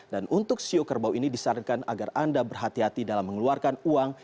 untuk siu kerbau ini disarankan agar anda berhati hati dalam mengeluarkan uang